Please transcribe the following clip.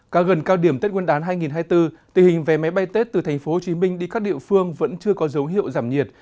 càng gần cao điểm tết nguyên đán hai nghìn hai mươi bốn tình hình vé máy bay tết từ tp hcm đi các địa phương vẫn chưa có dấu hiệu giảm nhiệt